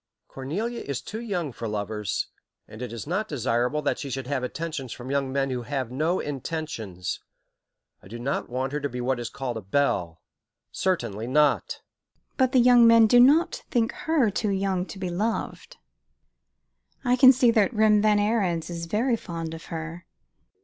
Cornelia is too young for lovers, and it is not desirable that she should have attentions from young men who have no intentions. I do not want her to be what is called a belle. Certainly not." "But the young men do not think her too young to be loved. I can see that Rem Van Ariens is very fond of her."